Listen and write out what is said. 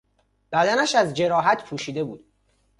بدنش از جراحت پوشیده بود.